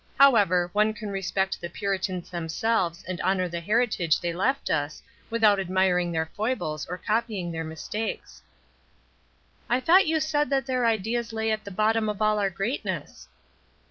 How ever, one can respect the Puritans themselves and honor the heritage they left us without admiring their foibles or copying then mistakes." "I thought you said that their ideas lay at the bottom of all our greatness?"